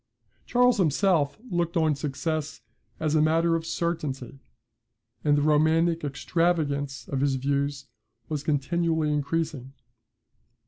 ] Charles himself looked on success as a matter of certainty; and the romantic extravagance of his views was continually increasing.